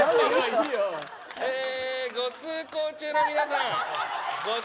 えー、ご通行中の皆さん。